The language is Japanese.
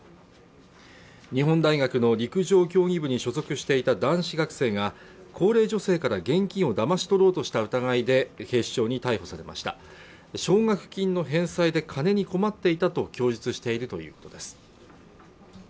日本大学の陸上競技部に所属していた男子学生が高齢女性から現金をだまし取ろうとした疑いで警視庁に逮捕されました奨学金の返済で金に困っていたと供述しているということです